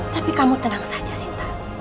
tapi kamu tenang saja cinta